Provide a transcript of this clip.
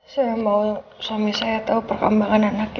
saya mau suami saya tahu perkembangan anaknya